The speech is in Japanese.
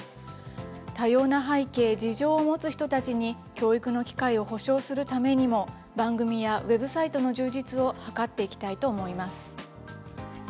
多様な背景・事情を持つ人たちに教育の機会を保障するためにも番組やウェブサイトの充実を図っていきたいと思います。